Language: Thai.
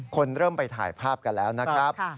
คนเริ่มไปถ่ายภาพกันแล้วนะครับ